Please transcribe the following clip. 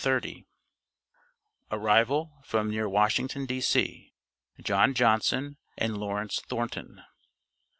ARRIVAL FROM NEAR WASHINGTON, D.C. JOHN JOHNSON AND LAWRENCE THORNTON.